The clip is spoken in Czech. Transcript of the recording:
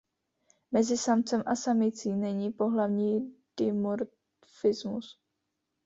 Mezi samcem a samici není pohlavní dimorfismus.